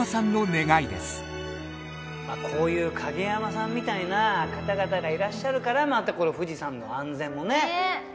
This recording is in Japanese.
まあこういう影山さんみたいな方々がいらっしゃるからまたこれ富士山の安全もねねえ何年だっけ？